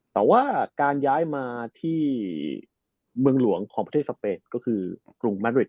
แต่การย้ายมาที่เบื้องภาคสเปนก็คือกรุงมาดริจ